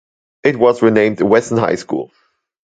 It was renamed Wesson High School.